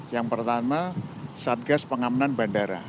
yang pertama satgas pengamanan bandara